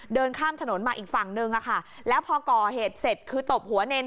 เดินข้ามถนนมาอีกฝั่งนึงอะค่ะแล้วพอก่อเหตุเสร็จคือตบหัวเนร